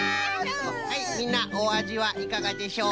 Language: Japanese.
はいみんなおあじはいかがでしょうか？